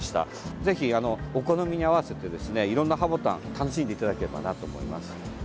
ぜひお好みに合わせていろんな葉ボタンを楽しんでいただければなと思います。